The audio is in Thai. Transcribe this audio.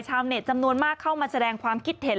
เน็ตจำนวนมากเข้ามาแสดงความคิดเห็น